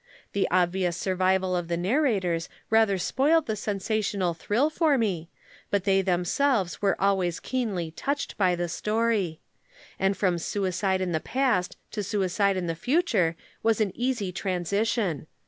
The obvious survival of the narrators rather spoiled the sensational thrill for me, but they themselves were always keenly touched by the story. And from suicide in the past to suicide in the future was an easy transition.